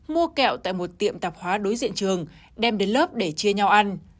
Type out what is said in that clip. mua kẹo tại một tiệm tạp hóa đối diện trường đem đến lớp để chia nhau ăn